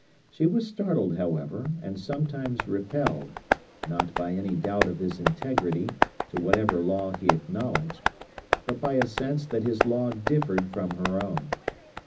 She was startled, however, and sometimes repelled,—not by any doubt of his integrity to whatever law he acknowledged, but by a sense that his law differed from her own.